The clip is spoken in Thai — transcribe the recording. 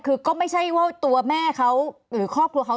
คือก็ไม่ใช่ว่าตัวแม่เขาหรือครอบครัวเขา